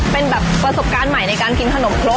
เป็นแบบประสบการณ์ใหม่ในการกินขนมโครก